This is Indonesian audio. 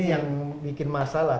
ini yang bikin masalah